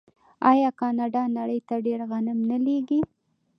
آیا کاناډا نړۍ ته ډیر غنم نه لیږي؟